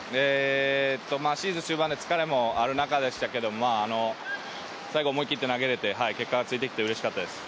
シーズン中盤で疲れもある中でしたけれども、最後、思い切って投げれて結果がついてきてうれしかったです。